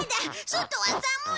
外は寒い！